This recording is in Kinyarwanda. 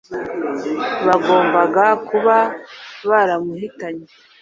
bagombaga kuba baramuhitanye.